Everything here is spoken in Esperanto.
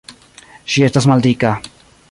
Ŝi estas maldika.